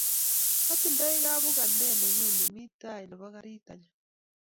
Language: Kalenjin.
Atindoi kibukandet nenyun nemi tai nebo karit nyun